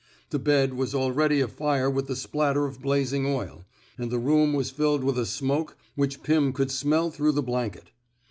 The bed was already afire with the splatter of blazing oil, and the room was filled with a smoke which Pim could smell through the blanket.